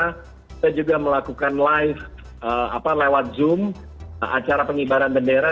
kita juga melakukan live lewat zoom acara pengibaran bendera